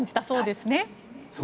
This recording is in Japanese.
そうですね